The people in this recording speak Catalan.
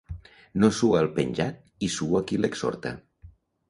No sua el penjat i sua qui l'exhorta.